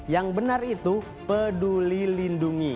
yang benar itu peduli lindungi